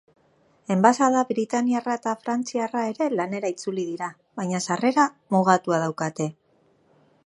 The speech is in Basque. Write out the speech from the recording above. Enbaxada britainiarra eta frantziarra ere lanera itzuli dira, baina sarrera mugatuta daukate.